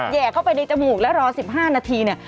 แยกเข้าไปในจมูกแล้วรอ๑๕นาทีเนี่ย